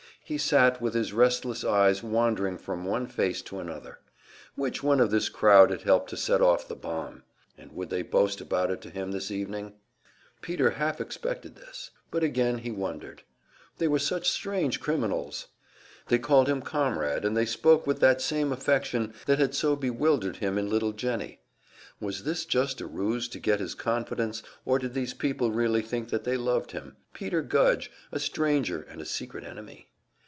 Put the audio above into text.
He sat, with his restless eyes wandering from one face to another. Which one of this crowd had helped to set off the bomb? And would they boast about it to him this evening? Peter half expected this; but then again, he wondered. They were such strange criminals! They called him "Comrade"; and they spoke with that same affection that had so bewildered him in little Jennie. Was this just a ruse to get his confidence, or did these people really think that they loved him Peter Gudge, a stranger and a secret enemy?